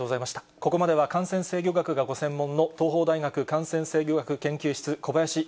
ここまでは感染制御学がご専門の東邦大学感染制御学研究室、小林寅